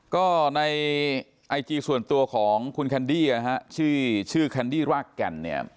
ก็ในไอจีส่วนตัวของคุณแคนดี้นะฮะชื่อแคนดี้รากแก่นเนี่ย